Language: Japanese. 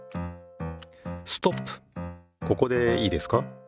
ここでいいですか？